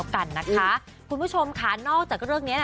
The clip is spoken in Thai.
คุณผู้ชมค่ะนอกจากเรื่องนี้